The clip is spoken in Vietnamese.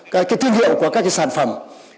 chỉ có các thương hiệu của các sản phẩm